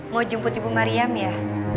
mau jemput ibu mariam ya